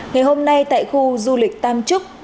ngày hôm nay tại khu du lịch tam trúc